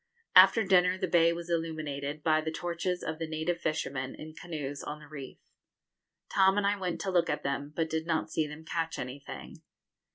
After dinner the bay was illuminated by the torches of the native fishermen, in canoes, on the reef. Tom and I went to look at them, but did not see them catch anything.